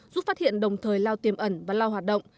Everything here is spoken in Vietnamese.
giúp phát hiện đồng thời lao tiềm ẩn và lao hoạt động